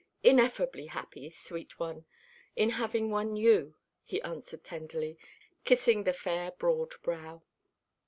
"Ineffably happy, sweet one, in having won you," he answered tenderly, kissing the fair broad brow.